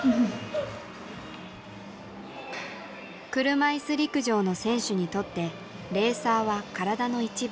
車いす陸上の選手にとってレーサーは体の一部。